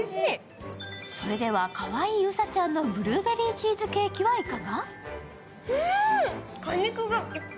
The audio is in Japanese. それでは、かわいいうさちゃんのブルーベリーチーズケーキはいかが？